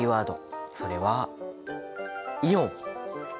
それはイオン！